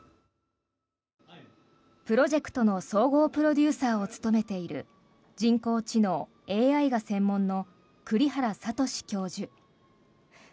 プロジェクトの総合プロデューサーを務めている人工知能・ＡＩが専門の栗原聡教授。